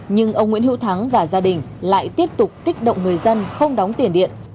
nhưng ông nguyễn hữu thắng và gia đình lại tiếp tục kích động người dân không đóng tiền điện